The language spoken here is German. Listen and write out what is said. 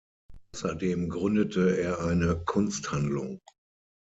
Außerdem gründete er eine Kunsthandlung.